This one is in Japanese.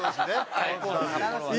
はい。